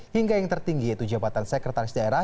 hingga yang tertinggi yaitu jabatan sekretaris daerah